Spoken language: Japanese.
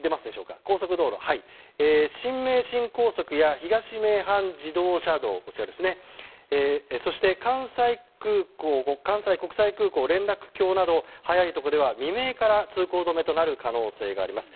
新名神高速や東名阪自動車道そして、関西国際空港連絡橋など早いところでは未明から、通行止めとなる可能性があります。